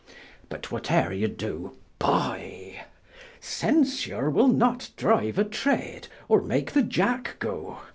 But, what euer you do, Buy. Censure will not driue a Trade, or make the Iacke go.